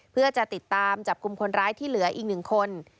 เพื่อจะติดตามจับกลุ่มคนร้ายที่เหลืออีก๑คน